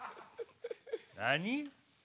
何？